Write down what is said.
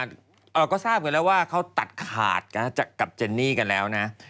เราก็ทราบกันแล้วว่าเขาตัดขาดกับเจนนี่กันแล้วนะ